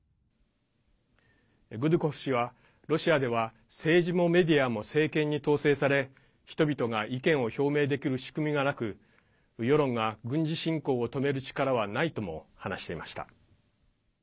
グドゥコフ氏はロシアでは政治もメディアも政権に統制され人々が意見を表明できる仕組みがなく世論が軍事侵攻を止める力はないとも話していました。